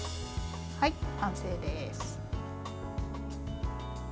はい、完成です。